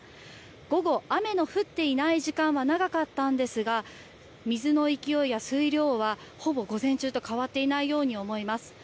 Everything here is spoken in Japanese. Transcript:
午後、雨の降っていない時間は長かったんですが水の勢いや水量はほぼ午前中と変わっていないように思えます。